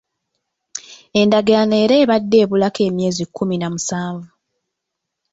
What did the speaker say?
ENdagaano era ebadde ebulako emyezi kkumi na musanvu.